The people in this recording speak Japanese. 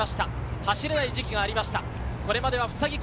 走れない時期がありました。